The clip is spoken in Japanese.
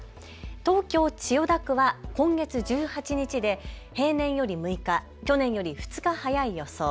東京千代田区は今月１８日で平年より６日、去年より２日早い予想。